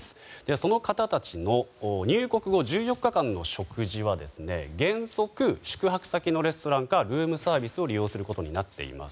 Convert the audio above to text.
その方たちの入国後１４日間の食事は原則、宿泊先のレストランかルームサービスを利用することになっています。